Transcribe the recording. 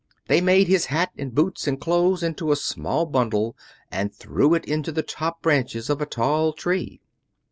They made his hat and boots and clothes into a small bundle and threw it into the top branches of a tall tree.